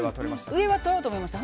上はとろうと思いました。